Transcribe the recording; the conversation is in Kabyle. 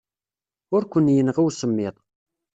Ur ken-yenɣi usemmiḍ.